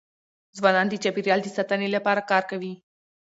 ځوانان د چاپېریال د ساتني لپاره کار کوي.